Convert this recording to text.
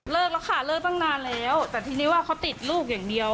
แล้วค่ะเลิกตั้งนานแล้วแต่ทีนี้ว่าเขาติดลูกอย่างเดียว